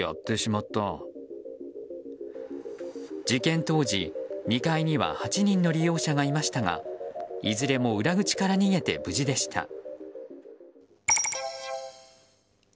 事件当時、２階には８人の利用者がいましたがいずれも裏口から逃げて無事でした。